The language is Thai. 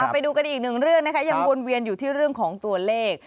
ไปดูกันอีกหนึ่งเรื่องนะคะยังวนเวียนอยู่ที่เรื่องของตัวเลข